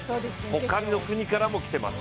他の国からも来てます。